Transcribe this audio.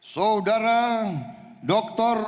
saudara dr otto hasibuan